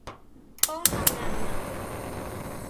ต้องทำงานหนัก